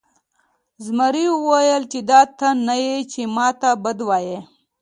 زمري وویل چې دا ته نه یې چې ما ته بد وایې.